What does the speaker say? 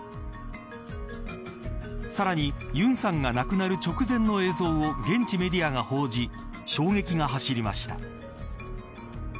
さらにユンさんが亡くなる直前の映像を現地メディアが報じ衝撃が走りました。